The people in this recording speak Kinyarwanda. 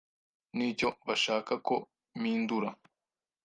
n’icyo bashaka ko mpindura.